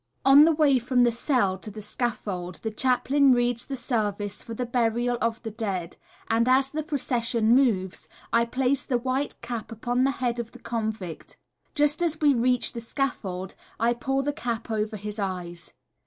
On the way from the cell to the scaffold the chaplain reads the service for the burial of the dead, and as the procession moves I place the white cap upon the head of the convict. Just as we reach the scaffold I pull the cap over his eyes.